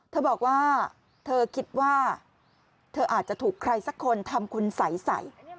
เธอบอกว่าเธอคิดว่าเธออาจจะถูกใครสักคนทำคุณสัยใส่